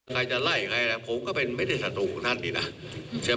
ใครจะไต้ใครผมก็เป็นไม่เป็นสัตว์ของท่านเดี๋ยวใช่ไหม